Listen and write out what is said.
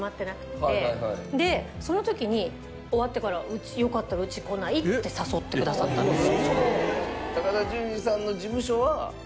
でその時に終わってからよかったらうち来ない？って誘ってくださったんです。